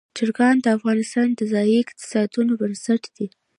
چرګان د افغانستان د ځایي اقتصادونو بنسټ دی.